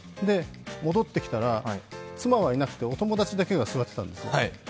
戻ってきたら、妻はいなくて、お友達だけが座ってたんです。